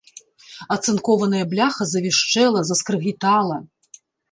Ацынкованая бляха завішчэла, заскрыгітала.